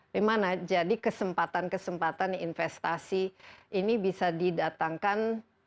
di mana jadi kesempatan kesempatan investasi ini bisa didatangkan